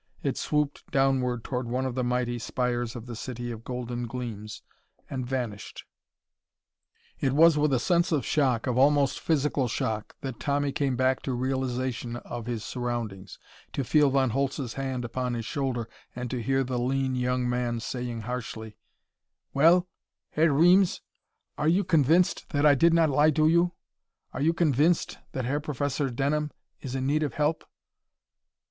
It swooped downward toward one of the mighty spires of the city of golden gleams, and vanished. It was with a sense of shock, of almost physical shock, that Tommy came back to realization of his surroundings to feel Von Holtz's hand upon his shoulder and to hear the lean young man saying harshly: "Well, Herr Reames? Are you convinced that I did not lie to you? Are you convinced that the Herr Professor Denham is in need of help?"